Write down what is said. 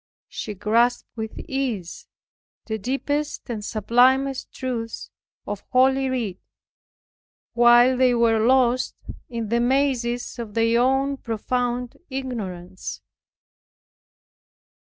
She grasped with ease the deepest and sublimest truths of holy Writ, while they were lost in the mazes of their own profound ignorance.